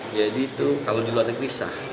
jadi itu kalau di luar inggris sah